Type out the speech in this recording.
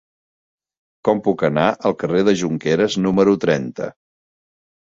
Com puc anar al carrer de Jonqueres número trenta?